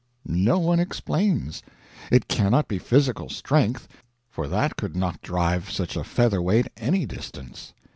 No one explains. It cannot be physical strength, for that could not drive such a feather weight any distance.